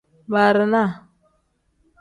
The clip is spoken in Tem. Barana.